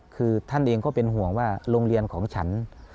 คือท่านเองก็เป็นห่วงว่าโรงเรียนของฉัน